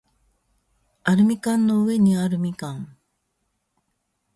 アルミ缶の上にあるみかん